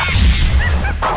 jangan tembak aku